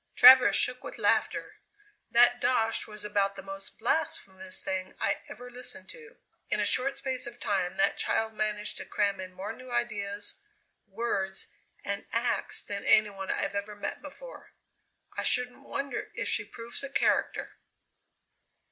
Travers shook with laughter. "That 'dosh' was about the most blasphemous thing I ever listened to. In a short space of time that child managed to cram in more new ideas, words, and acts than any one I've ever met before. I shouldn't wonder if she proves a character."